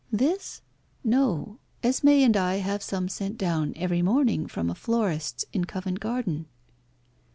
"This? No. Esmé and I have some sent down every morning from a florist's in Covent Garden."